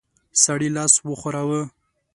سړي لاس وښوراوه.